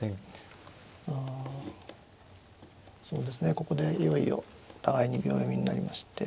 ここでいよいよお互いに秒読みになりまして。